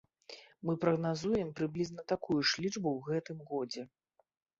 Мы прагназуем прыблізна такую ж лічбу ў гэтым годзе.